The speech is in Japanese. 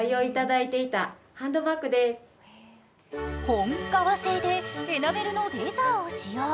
本革製でエナメルのレザーを使用。